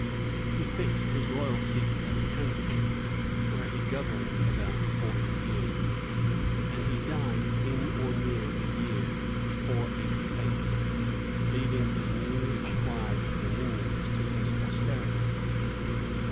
He fixed his royal seat at Canterbury, where he governed about forty years, and he died in or near the year 488, leaving his new acquired dominions to his posterity.